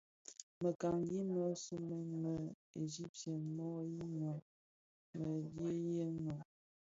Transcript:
Mëkangi më somèn më Egyptien mo yinnya mëdhèliyèn no?